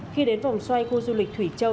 khi đến vòng xoay khu du lịch thủy châu